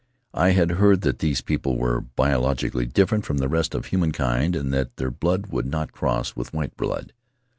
I had heard that these people were biologi cally different from the rest of humankind and that their blood would not cross with white blood.